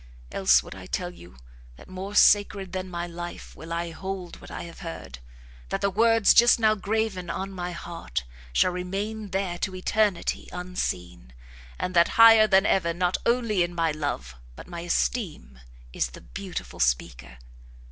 Else would I tell you that more sacred than my life will I hold what I have heard, that the words just now graven on my heart, shall remain there to eternity unseen; and that higher than ever, not only in my love, but my esteem, is the beautiful speaker."